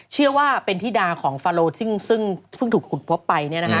เชื่อว่าเป็นธิดาของฟาโลซึ่งถูกขุดพบไป